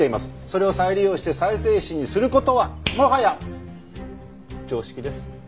それを再利用して再生紙にする事はもはや常識です。